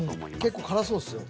結構辛そうっすよ。